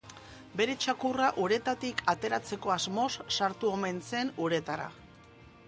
Bere txakurra uretatik ateratzeko asmoz sartu omen zen uretara.